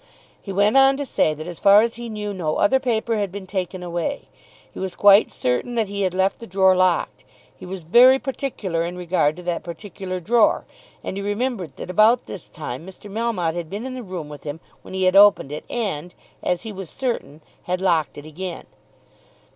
He went on to say that as far as he knew no other paper had been taken away. He was quite certain that he had left the drawer locked. He was very particular in regard to that particular drawer, and he remembered that about this time Mr. Melmotte had been in the room with him when he had opened it, and, as he was certain, had locked it again.